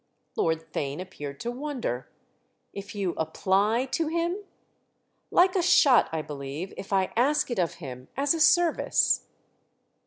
Lord Theign appeared to wonder. "If you 'apply' to him?" "Like a shot, I believe, if I ask it of him—as a service."